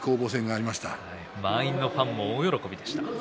回りのファンも大喜びでした。